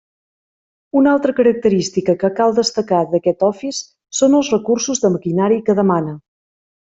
Una altra característica que cal destacar d'aquest Office són els recursos de maquinari que demana.